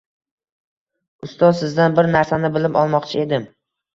Ustoz, sizdan bir narsani bilib olmoqchi edim